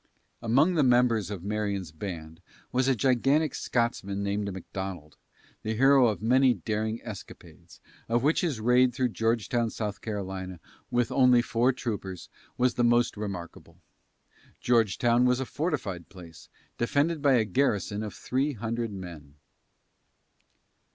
Among the members of Marion's band was a gigantic Scotsman named Macdonald, the hero of many daring escapades, of which his raid through Georgetown, S. C., with only four troopers, was the most remarkable. Georgetown was a fortified place, defended by a garrison of three hundred men.